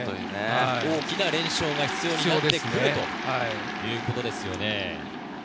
大きな連勝が必要になってくるということですよね。